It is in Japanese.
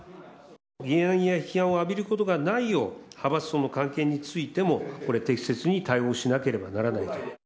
疑念や批判を浴びることがないよう、派閥との関係についてもこれ、適切に対応しなければならない。